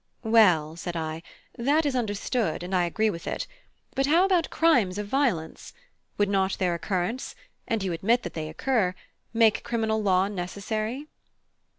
"Well," said I, "that is understood, and I agree with it; but how about crimes of violence? would not their occurrence (and you admit that they occur) make criminal law necessary?"